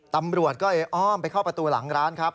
ตำรวจก็เลยอ้อมไปเข้าประตูหลังร้านครับ